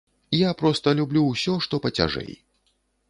Я проста люблю ўсё, што пацяжэй.